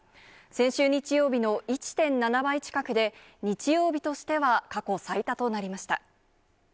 先週日曜日の１．７倍近くで、日曜日としては過去最多となりました。